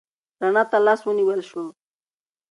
رڼا ته لاس ونیول شو.